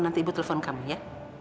nanti ibu telepon kami ya